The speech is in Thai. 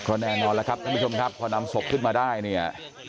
แน่นอนแล้วครับท่านผู้ชมครับพอนำศพขึ้นมาได้เนี่ย